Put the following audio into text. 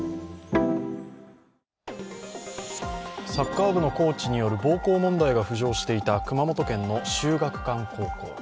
サッカー部のコーチによる暴行問題が浮上していた熊本県の秀岳館高校。